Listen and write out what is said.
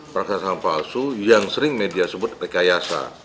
persangkaan palsu yang sering media sebut kekayasa